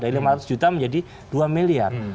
dari lima ratus juta menjadi dua miliar